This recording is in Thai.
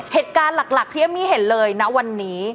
เหตุการณ์หลักที่เอมมี่เห็นเลยนะวันนี้